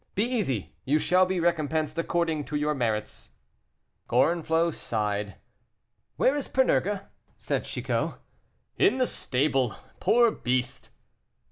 Be easy, you shall be recompensed according to your merits." Gorenflot sighed. "Where is Panurge?" said Chicot. "In the stable, poor beast."